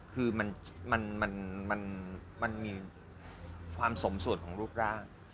คือมันมีความสมส่วนของรูปร่าง